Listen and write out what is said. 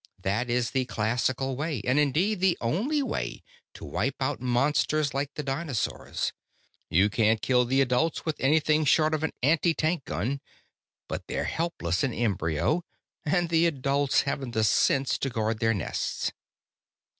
That is the classical way, and indeed the only way, to wipe out monsters like the dinosaurs. You can't kill the adults with anything short of an anti tank gun, but they're helpless in embryo and the adults haven't the sense to guard their nests."